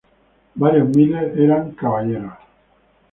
Varios miles eran caballeros.